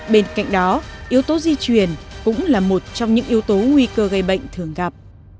bên cạnh đó yếu tố di truyền cũng là một trong những yếu tố nguy cơ gây bệnh thường gặp